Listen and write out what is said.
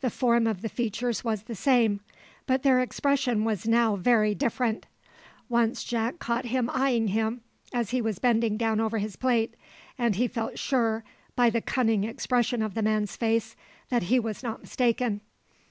The form of the features was the same, but their expression was now very different. Once Jack caught him eyeing him, as he was bending down over his plate, and he felt sure, by the cunning expression of the man's face, that he was not mistaken.